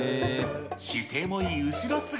姿勢もいい後ろ姿。